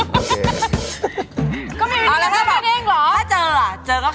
แล้วคุณพูดกับอันนี้ก็ไม่รู้นะผมว่ามันความเป็นส่วนตัวซึ่งกัน